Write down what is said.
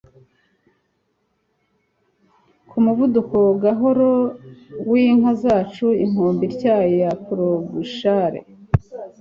Ku muvuduko gahoro w'inka zacu inkombe ityaye ya ploughshare